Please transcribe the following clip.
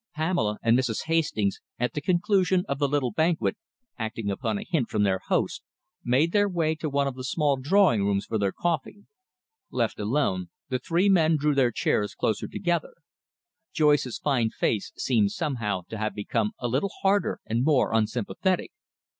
Pamela and Mrs. Hastings, at the conclusion of the little banquet, acting upon a hint from their host, made their way to one of the small drawing rooms for their coffee. Left alone, the three men drew their chairs closer together. Joyce's fine face seemed somehow to have become a little harder and more unsympathetic.